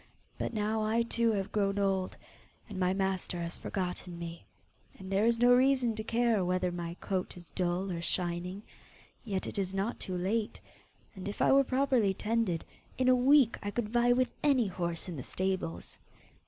But now I too have grown old, and my master has forgotten me, and there is no reason to care whether my coat is dull or shining. Yet, it is not too late, and if I were properly tended, in a week I could vie with any horse in the stables!